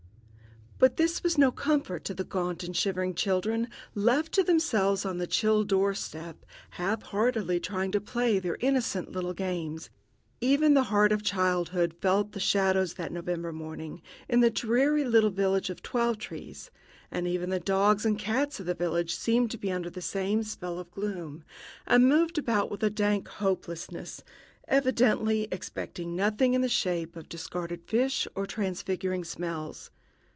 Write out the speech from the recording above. But this was no comfort to the gaunt and shivering children left to themselves on the chill door steps, half heartedly trying to play their innocent little games. Even the heart of childhood felt the shadows that November morning in the dreary little village of Twelve trees, and even the dogs and the cats of the village seemed to be under the same spell of gloom, and moved about with a dank hopelessness, evidently expecting nothing in the shape of discarded fish or transfiguring smells.